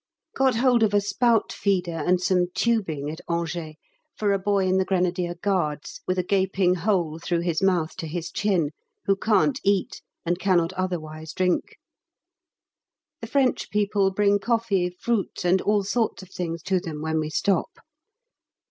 Got hold of a spout feeder and some tubing at Angers for a boy in the Grenadier Guards, with a gaping hole through his mouth to his chin, who can't eat, and cannot otherwise drink. The French people bring coffee, fruit, and all sorts of things to them when we stop.